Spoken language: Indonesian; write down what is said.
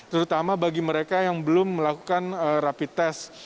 terutama bagi mereka yang belum melakukan rapid test